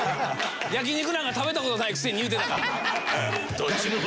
焼き肉なんか食べた事ないくせに言うてたから。